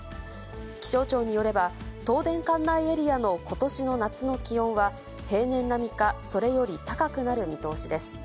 気象庁によれば、東電管内エリアのことしの夏の気温は、平年並みかそれより高くなる見通しです。